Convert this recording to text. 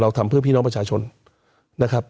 ทำเพื่อพี่น้องประชาชนนะครับ